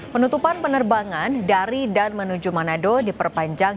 penutupan penerbangan dari dan menuju manado diperpanjang